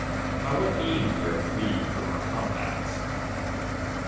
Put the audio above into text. By what means we are freed from our compacts.